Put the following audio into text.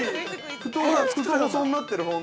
太細になってる。